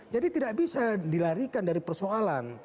jadi tidak bisa dilarikan dari persoalan